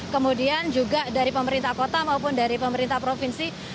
kemudian juga dari pemerintah kota maupun dari pemerintah provinsi